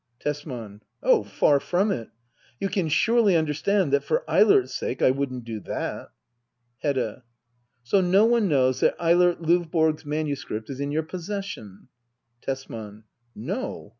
Tesman. Oh, far from it ! You can surely understand that, for Eilert's sake, I wouldn't do that. Hedda. So no one knows that Eilert Lovborg's manu script is in your possession ? Tesman. No.